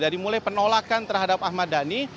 dari mulai penolakan terhadap ahmad dhani